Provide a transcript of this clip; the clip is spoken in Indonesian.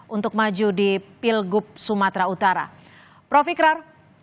untuk maju di pilgub sumatera utara prof ikrar